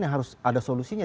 yang harus ada solusinya